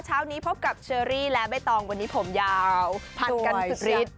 เช้านี้พบกับเชอรี่และใบตองวันนี้ผมยาวพันกันสุดฤทธิ